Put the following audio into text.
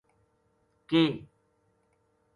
ک